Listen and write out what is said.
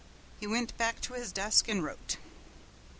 He went back to his desk and wrote.